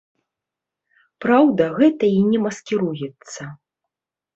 Праўда, гэта і не маскіруецца.